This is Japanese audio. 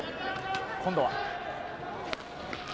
今度は。